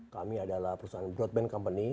kami adalah perusahaan broadband company